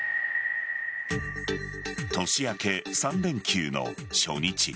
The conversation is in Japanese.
年明け３連休の初日。